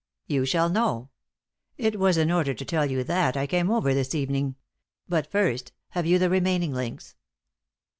"You shall know. It was in order to tell you that I came over this evening. But first, have you the remaining links?"